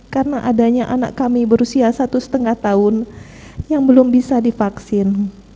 karena adanya anak kami berusia satu lima tahun yang belum bisa divaksin